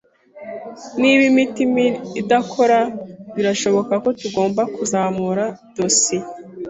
Niba imiti idakora, birashoboka ko tugomba kuzamura dosiye.